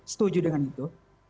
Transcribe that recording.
setuju dengan itu